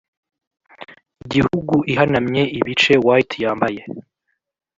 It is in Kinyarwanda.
igihugu ihanamye ibice white-yambaye,